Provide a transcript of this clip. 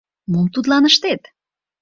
Мом тудлан ыштет?